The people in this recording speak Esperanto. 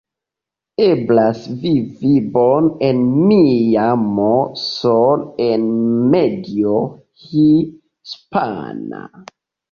Eblas vivi bone en Miamo sole en medio hispana.